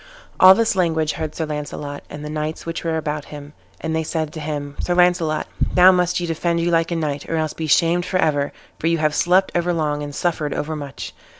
All this language heard Sir Launcelot, and the knights which were about him; and they said to him, "Sir Launcelot, now must ye defend you like a knight, or else be shamed for ever, for you have slept overlong and suffered overmuch."